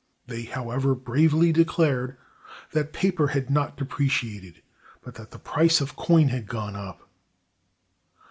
They, however, bravely declared that paper had not depreciated, but that the price of coin had gone up!